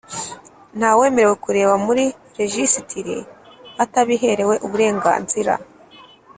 Nta wemerewe kureba muri rejisitiri atabiherewe uburenganzira.